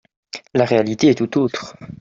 La réalité est tout autre.